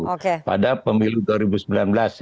macam itu pada pemilu dua ribu sembilan belas ya